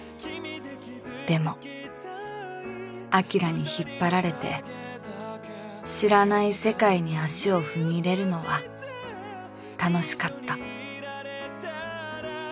でも晶に引っ張られて知らない世界に足を踏み入れるのは楽しかった